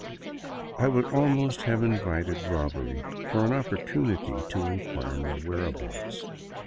I would almost have invited robbery for an opportunity to inquire my whereabouts.